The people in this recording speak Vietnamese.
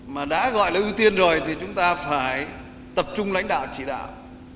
mà đã gọi là ưu tiên rồi thì chúng ta phải tập trung lãnh đạo chỉ đạo